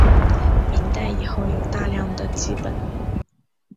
明代以后有大量的辑本。